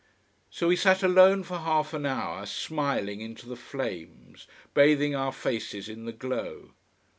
So we sat alone for half an hour, smiling into the flames, bathing our faces in the glow.